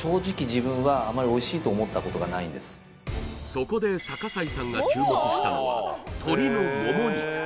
そこで逆井さんが注目したのは鶏のモモ肉